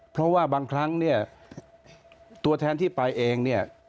เพราะว่าบางครั้งเนี่ยตัวแทนที่ไปเองเนี่ย